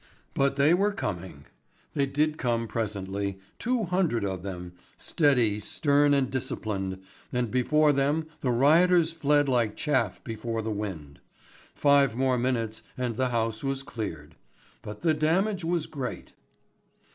But they were coming. They did come presently, two hundred of them, steady, stern, and disciplined, and before them the rioters fled like chaff before the wind. Five more minutes and the House was cleared. But the damage was great.